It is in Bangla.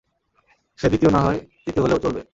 সে দ্বিতীয় নাহয় তৃতীয় হলেও, চলবে।